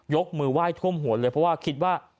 ยกมือไหว้ท่วมหัวเลยเพราะว่าคิดว่า